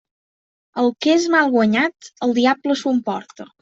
El que és mal guanyat el diable s'ho emporta.